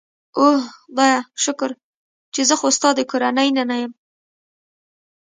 اوه خدایه، شکر چې زه خو ستا د کورنۍ نه یم.